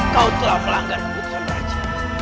kau telah melanggar kebutuhan raja